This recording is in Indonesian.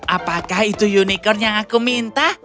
apakah itu unicorn yang aku minta